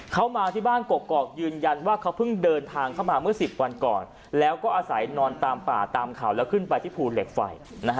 เขามาที่บ้านกกอกยืนยันว่าเขาเพิ่งเดินทางเข้ามาเมื่อ๑๐วันก่อนแล้วก็อาศัยนอนตามป่าตามเขาแล้วขึ้นไปที่ภูเหล็กไฟ